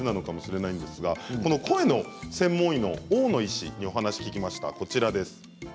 この声の専門医の大野医師にお話を聞きました。